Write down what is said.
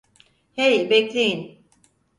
Hey, bekleyin!